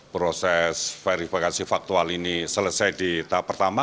proses verifikasi faktual ini selesai di tahap pertama